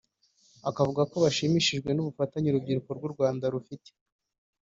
akavuga ko bashimishijwe n’ubufatanye urubryiruko rw’u Rwanda rufite